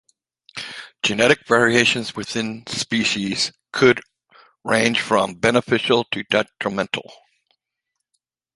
Genetic variation within a species could range from beneficial to detrimental.